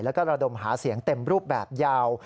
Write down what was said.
แล้วก็ระดมหาเสียงเต็มรูปแบบยาว